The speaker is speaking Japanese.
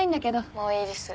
「もういいです」